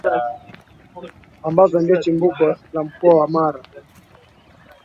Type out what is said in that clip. ambazo ndiyo chimbuko la Mkoa wa Mara